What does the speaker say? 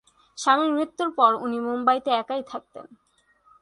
স্বামীর মৃত্যুর পর উনি মুম্বাইতে একাই থাকতেন।